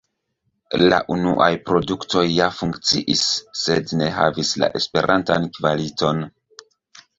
La unuaj produktoj ja funkciis, sed ne havis la esperatan kvaliton.